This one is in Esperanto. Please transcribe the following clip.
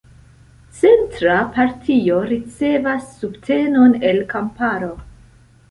Centra partio ricevas subtenon el kamparo.